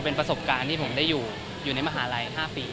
เป็นประสบการณ์ที่ผมได้อยู่ในมหาลัย๕ปี